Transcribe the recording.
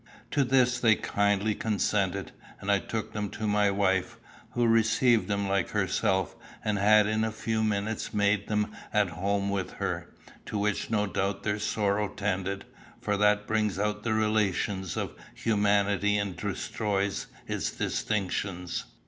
To this they kindly consented, and I took them to my wife, who received them like herself, and had in a few minutes made them at home with her, to which no doubt their sorrow tended, for that brings out the relations of humanity and destroys its distinctions.